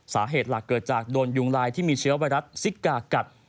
สาเหตุหลักเกิดจากโดนยุงลายที่มีเชื้อไวรัสซิกากัด